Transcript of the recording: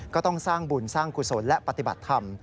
ก็ต้องสร้างบุญสร้างกุศลและปฏิบัติธรรม